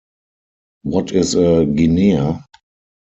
What is a Guinea?